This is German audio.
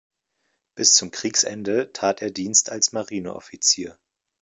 Bis zum Kriegsende tat er Dienst als Marineoffizier.